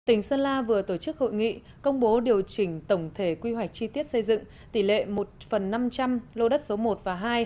tỉnh sơn la vừa tổ chức hội nghị công bố điều chỉnh tổng thể quy hoạch chi tiết xây dựng tỷ lệ một phần năm trăm linh lô đất số một và hai